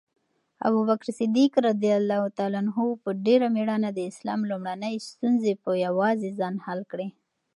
ابوبکر رض په ډېره مېړانه د اسلام لومړنۍ ستونزې په یوازې ځان حل کړې.